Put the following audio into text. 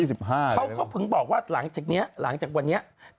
เขาก็ถึงบอกว่าหลังจากนี้หลังจากวันนี้